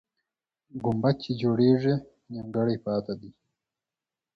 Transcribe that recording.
ګمبد چې جوړېږي، نیمګړی پاتې دی.